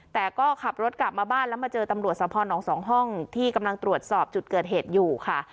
แต่ก็ขับรถกลับมาบ้านแล้วมาเจอตำรวจสะพอน้องสองห้องที่กำลังตรวจสอบจุดเกิดเหตุอยู่ค่ะ